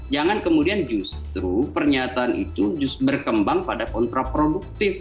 jangan kemudian justru pernyataan itu berkembang pada kontraproduktif